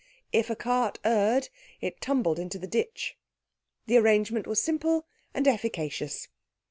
If a cart erred, it tumbled into the ditch. The arrangement was simple and efficacious.